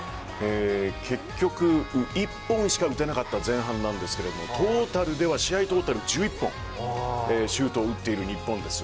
結局１本しか打てなかった前半なんですけれども試合トータル１１本シュートを打っている日本です。